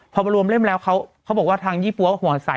พอมารวมเล่มแล้วเขาบอกว่าทางยี่ปั๊วหัวใส